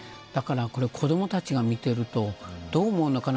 子どもたちが見てるとどう思うのかな。